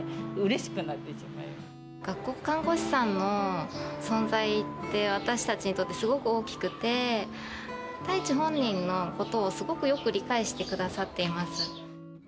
学校看護師さんの存在って、私たちにとってすごく大きくて、大知本人のことをすごくよく理解してくださっています。